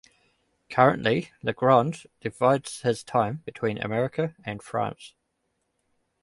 Currently, Legrand divides his time between America and France.